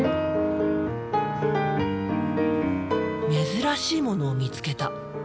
珍しいものを見つけた。